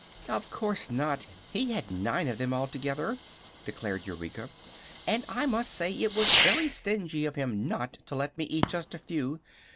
"Of course not; he had nine of them, altogether," declared Eureka; "and I must say it was very stingy of him not to let me eat just a few.